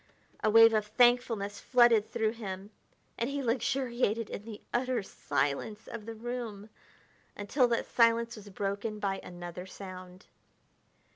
A wave of thankfulness flooded through him, and he luxuriated in the utter silence of the room until that silence was broken by another sound.